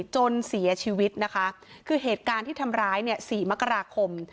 จนเสียชีวิตนะคะคือเหตุการณ์ที่ทำร้ายเนี่ย๔มกราคม